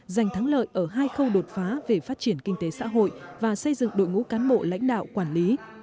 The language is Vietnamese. giành thắng lợi ở hai khâu đột phá về phát triển kinh tế xã hội và xây dựng đội ngũ cán bộ lãnh đạo quản lý